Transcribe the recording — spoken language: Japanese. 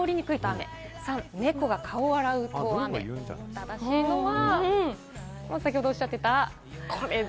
正しいのは先ほどおっしゃってた。